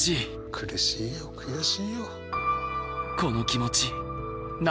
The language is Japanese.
苦しいよ悔しいよ。